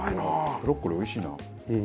ブロッコリーおいしいな。